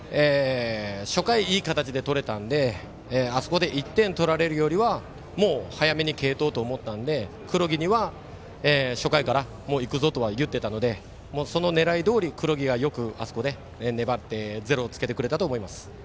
初回、いい形で取れたんであそこで１点取られるよりはもう早めに継投と思って黒木には初回からもう行くぞと言っていたのでその狙いどおり黒木がよく、あそこで粘ってゼロをつけてくれたと思います。